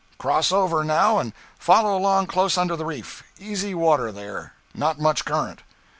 Cross over, now, and follow along close under the reef easy water there not much current.'